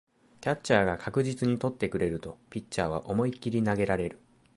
キャッチャーが確実に捕ってくれるとピッチャーは思いっきり投げられる